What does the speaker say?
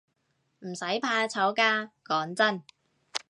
唔使怕醜㗎，講真